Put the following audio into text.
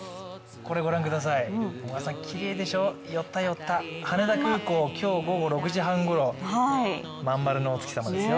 これご覧ください、小川さん、きれいでしょ、寄った、寄った、羽田空港今日午後６時半ごろ、まんまるのお月様ですよ。